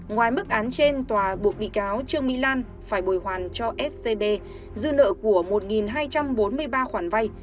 ngoài mức án trên tòa buộc bị cáo trương mỹ lan phải bồi hoàn cho scb dư nợ của một hai trăm bốn mươi ba khoản vay